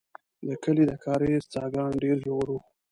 د کلي د کاریز څاګان ډېر ژور وو.